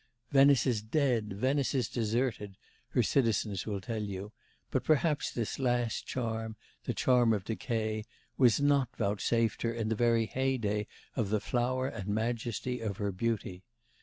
'Venice is dead, Venice is deserted,' her citizens will tell you, but perhaps this last charm the charm of decay was not vouchsafed her in the very heyday of the flower and majesty of her beauty.